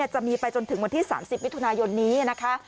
จะมีไปจนถึงวันที่๓๐มิถุนายนนี้นะคะ